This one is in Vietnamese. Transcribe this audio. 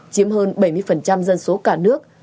chiếm hơn bảy mươi dân số cả nước